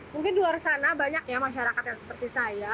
mungkin di luar sana banyak ya masyarakat yang seperti saya